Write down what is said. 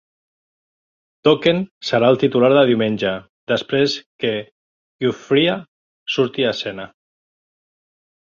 Dokken serà el titular de diumenge, després que Giuffria surti a escena.